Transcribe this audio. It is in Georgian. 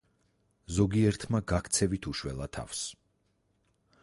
ზოგიერთმა გაქცევით უშველა თავს.